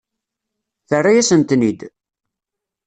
Terra-yasen-ten-id.